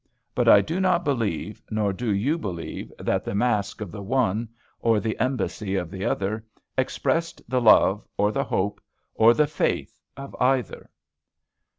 But I do not believe, nor do you, that the masque of the one, or the embassy of the other, expressed the love, or the hope, or the faith of either!